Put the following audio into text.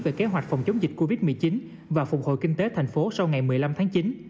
về kế hoạch phòng chống dịch covid một mươi chín và phục hồi kinh tế thành phố sau ngày một mươi năm tháng chín